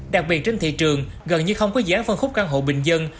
đặc biệt trên thị trường gần như không có giá phân khúc căn hộ bình dân